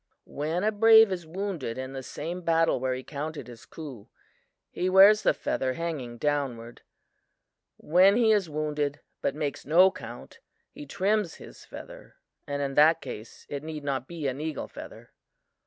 "When a brave is wounded in the same battle where he counted his coup, he wears the feather hanging downward. When he is wounded, but makes no count, he trims his feather and in that case, it need not be an eagle feather.